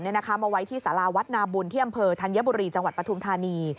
มาไว้ที่สาราวัดนาบุญที่อำเภอธัญบุรีจังหวัดปฐุมธานี